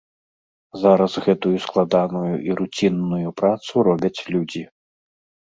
Зараз гэтую складаную і руцінную працу робяць людзі.